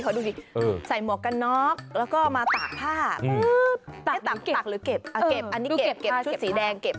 เท่าที่ดูว่ามันขโมยแล้วหรอครับ